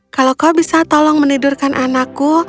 kalau kau bisa tolong menidurkan anakku